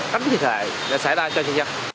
cách thi thể để xảy ra cho dân dân